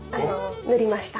塗りました。